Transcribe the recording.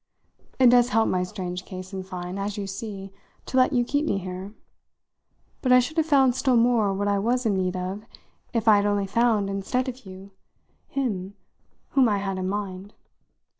It does help my strange case, in fine, as you see, to let you keep me here; but I should have found still more what I was in need of if I had only found, instead of you, him whom I had in mind.